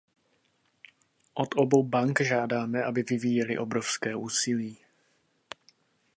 Od obou bank žádáme, aby vyvíjely obrovské úsilí.